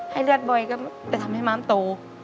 เลือดบ่อยก็จะทำให้ม้ามโต